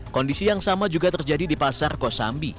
kondisi yang sama juga terjadi di pasar kosambi